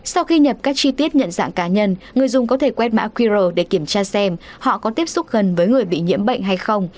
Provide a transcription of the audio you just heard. sau khi nhập các chi tiết nhận dạng cá nhân người dùng có thể quét mã qr để kiểm tra xem họ có tiếp xúc gần với người bị nhiễm bệnh hay không